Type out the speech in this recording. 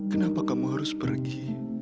kenapa kamu harus pergi